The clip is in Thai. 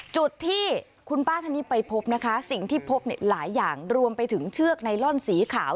จุดที่คุณป้าท่านนี้ไปพบนะคะสิ่งที่พบหลายอย่างรวมไปถึงเชือกไนลอนสีขาว